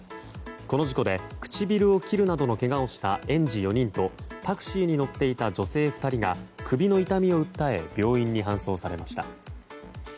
この事故で、唇を切るなどのけがをした園児４人とタクシーに乗っていた女性２人が首の痛みを訴え病院に搬送されました。